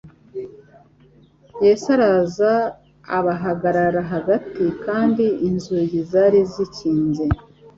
«Yesu araza abahagarara hagati kandi inzugi zari zikinze,